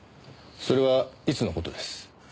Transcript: それはいつの事です？